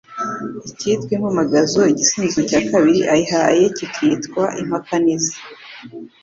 ikitwa impamagazo, igisingizo cya kabiri ayihaye kikitwa impakanizi